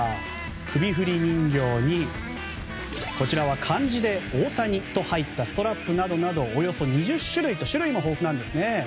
首振り人形にこちらは漢字で「大谷」と入ったストラップなどなどおよそ２０種類と種類も豊富なんですね。